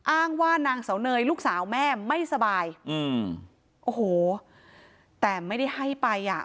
อ้างว่านางเสาเนยลูกสาวแม่ไม่สบายอืมโอ้โหแต่ไม่ได้ให้ไปอ่ะ